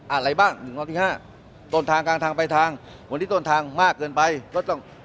อะไรบ้างหนึ่งรอบที่ห้าต้นทางกลางทางไปทางวันนี้ต้นทางมากเกินไปก็ต้อง